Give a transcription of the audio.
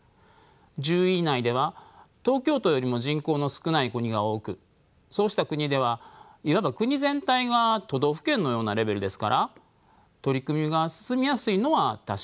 １０位以内では東京都よりも人口の少ない国が多くそうした国ではいわば国全体が都道府県のようなレベルですから取り組みが進みやすいのは確かでしょう。